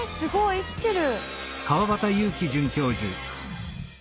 生きてる。